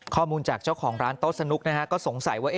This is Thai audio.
ข้อมูลจากเจ้าของร้านโต๊ะสนุกนะฮะก็สงสัยว่า